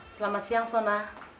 selamat siang sona